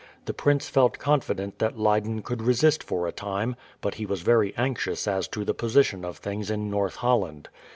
The prince felt confident that Leyden could resist for a time, but he was very anxious as to the position of things in North Holland.